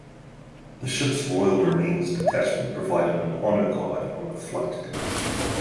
The ship's Royal Marines detachment provided an honour guard on the flight deck.